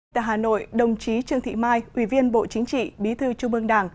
tại hà nội đồng chí trương thị mai ủy viên bộ chính trị bí thư trung ương đảng